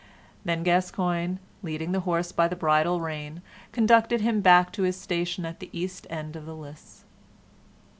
Then Gascoyne, leading the horse by the bridle rein, conducted him back to his station at the east end of the lists.